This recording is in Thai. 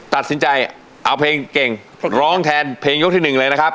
ตัดสินใจเอาเพลงเก่งร้องแทนเพลงยกที่หนึ่งเลยนะครับ